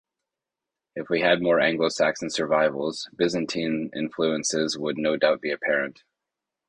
If we had more Anglo-Saxon survivals, Byzantine influences would no doubt be apparent.